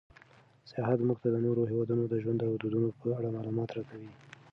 سیاحت موږ ته د نورو هېوادونو د ژوند او دودونو په اړه معلومات راکوي.